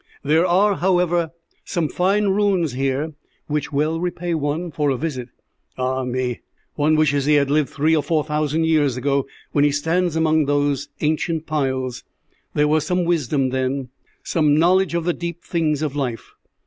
There are, however, some fine ruins here which well repay one for a visit. Ah me! One wishes he had lived three or four thousand years ago when he stands among those ancient piles. There was some wisdom then, some knowledge of the deep things of life!